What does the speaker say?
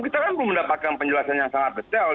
kita kan belum mendapatkan penjelasan yang sangat detail